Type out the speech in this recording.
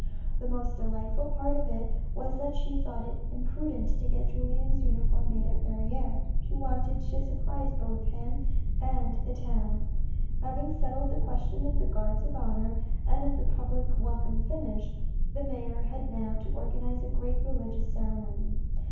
The most delightful part of it was that she thought it imprudent to get Julien's uniform made at Verrieres. She wanted to surprise both him and the town. Having settled the questions of the guards of honour, and of the public welcome finished, the mayor had now to organise a great religious ceremony.